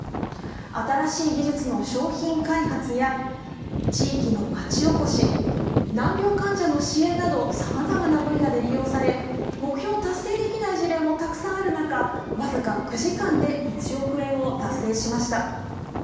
新しい技術の商品開発や地域の町おこし、難病患者の支援などさまざまな分野で利用され、目標を達成できない事例もたくさんある中、僅か９時間で１億円を達成しました。